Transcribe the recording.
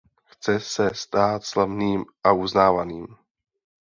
Chce se stát slavným a uznávaným.